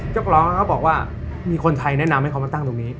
เจ้าของเขาบอกว่ามีคนไทยแนะนำให้เขามาตั้งตรงนี้